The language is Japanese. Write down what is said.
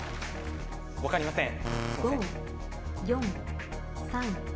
分かりません。